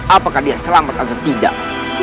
apakah dia selamat atau tidak